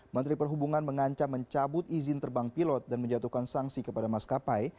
menteri perhubungan mengancam mencabut izin terbang pilot dan menjatuhkan sanksi kepada maskapai